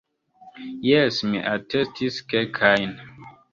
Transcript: Jes, mi atestis kelkajn.